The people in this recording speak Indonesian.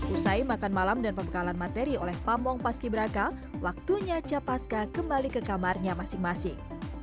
usai makan malam dan pembekalan materi oleh pamong paski beraka waktunya capaska kembali ke kamarnya masing masing